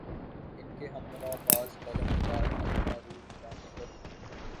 ان کے ہم نوا بعض کالم نگار المعروف دانش ور بھی ہیں۔